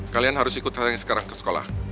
kalian harus ikut kalian sekarang ke sekolah